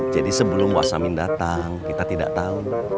jadi sebelum luas samin datang kita tidak tahu